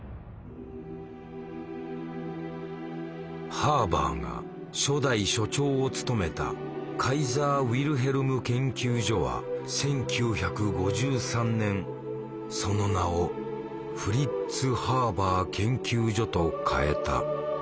ハーバーが初代所長を務めたカイザー・ウィルヘルム研究所は１９５３年その名を「フリッツ・ハーバー研究所」と変えた。